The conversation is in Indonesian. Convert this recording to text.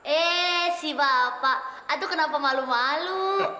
eh si bapak atau kenapa malu malu